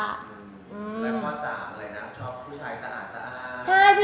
แล้วก็ตามอะไรนะชอบผู้ชายสะอาดสะอ้าน